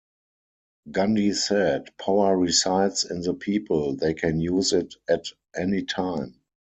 Gandhi said: Power resides in the people, they can use it at any time.